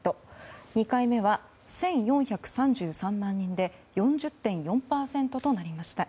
２回目は１４３３万人で４０．４％となりました。